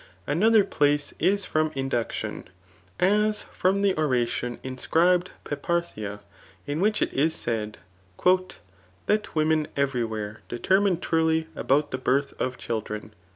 Another place is from induction ; a$ from [the oration inscribed] Peparethia, in which it is said, That wom«i every where determine truly about the birth of children."